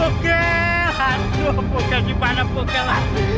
bokeh dimana bokeh